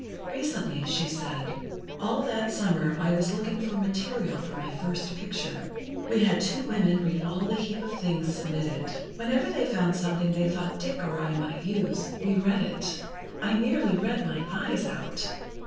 Recently, she said: "All that summer I was looking for material for my first picture. We had two women read all the heap of things submitted. Whenever they found something they thought Dick or I might use, we read it. I nearly read my eyes out.